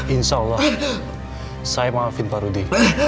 insya allah saya maafin pak rudi